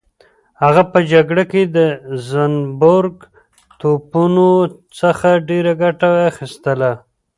هغه په جګړه کې د زنبورک توپونو څخه ډېره ګټه اخیستله.